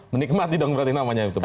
menikmati dong berarti namanya itu pak